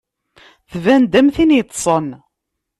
Tban-d am tin yeṭṭsen.